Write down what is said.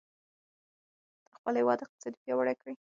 د خپل هېواد اقتصاد پیاوړی کړئ.